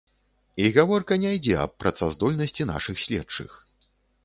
І гаворка не ідзе аб працаздольнасці нашых следчых.